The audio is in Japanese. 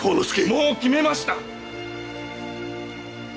もう決めました！